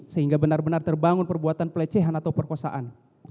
sehingga benar benar terbangun perbuatan pelecehan atau perkosaan